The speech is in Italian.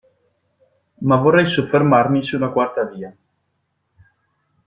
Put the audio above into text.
Ma vorrei soffermarmi sulla quarta via.